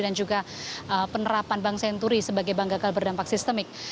dan juga penerapan bank senturi sebagai bank gagal berdampak sistemik